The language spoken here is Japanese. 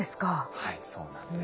はいそうなんです。